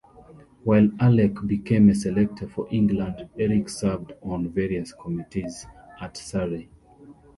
While Alec became a selector for England, Eric served on various committees at Surrey.